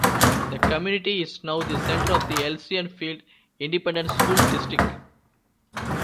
The community is now the center of the Elysian Fields Independent School District.